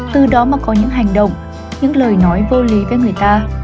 từ đó mà có những hành động những lời nói vô lý với người ta